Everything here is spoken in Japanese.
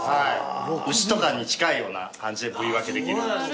牛とかに近いような感じで部位分けできるんです。